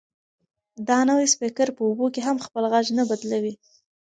دا نوی سپیکر په اوبو کې هم خپل غږ نه بدلوي.